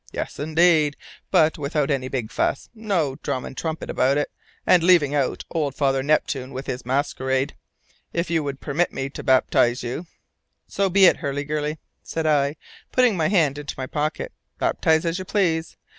Yes, indeed, but without any big fuss no drum and trumpet about it, and leaving out old Father Neptune with his masquerade. If you would permit me to baptize you " "So be it, Hurliguerly," said I, putting my hand into my pocket. "Baptize as you please.